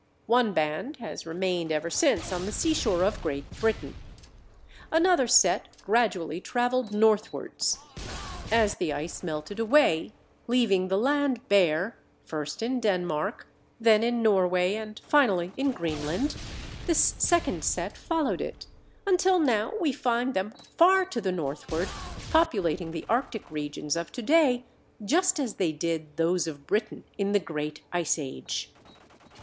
One band has remained ever since on the seashore of Great Britain; another set gradually travelled northwards. As the ice melted away, leaving the land bare, first in Denmark, then in Norway, and finally in Greenland, this second set followed it, until now we find them far to the northward, populating the Arctic regions of to day just as they did those of Britain in the Great Ice Age.